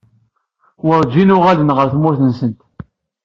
Werǧin uɣalen ɣer tmurt-nsent.